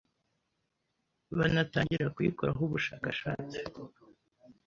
banatangira kuyikoraho ubushakashatsi,